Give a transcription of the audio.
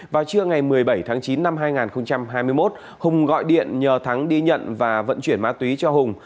vào trưa ngày một mươi bảy tháng chín năm hai nghìn hai mươi một hùng gọi điện nhờ thắng đi nhận và vận chuyển ma túy cho hùng